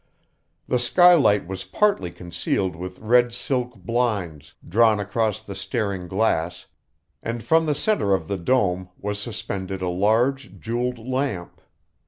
The skylight was partly concealed with red silk blinds, drawn across the staring glass, and from the centre of the dome was suspended a large jewelled lamp.